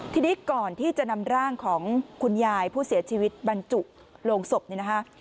ทีนี้ก่อนที่จะนำร่างของคุณยายผู้เสียชีวิตบรรจุโรงศพนี่นะคะ